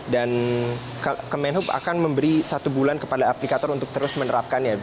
dan kemenhub akan memberi satu bulan kepada aplikator untuk terus menerapkannya